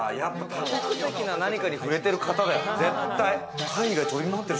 多国籍な何かに触れてる方だよ、絶対。